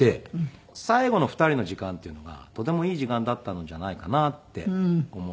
最後の２人の時間っていうのがとてもいい時間だったんじゃないかなって思って。